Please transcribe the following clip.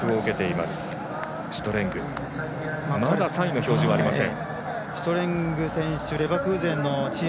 まだ３位の表示はありません。